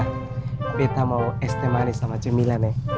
kita mau estem manis sama cemilan ya